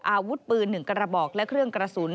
อาวุธปืน๑กระบอกและเครื่องกระสุน